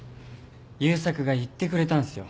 ゆーさくが言ってくれたんすよ。